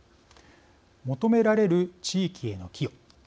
求められる地域への寄与。